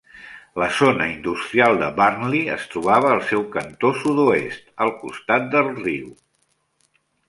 La zona industrial de Burnley es trobava al seu cantó sud-oest al costat de riu.